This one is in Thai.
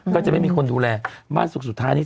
ก็จะไม่มีคนดูแลบ้านสุขสุดท้ายนี้